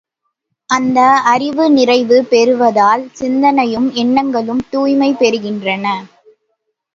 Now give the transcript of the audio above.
அந்த அறிவு நிறைவு பெறுவதால் சிந்தனையும், என்ணங்களும் தூய்மை பெறுகின்றன.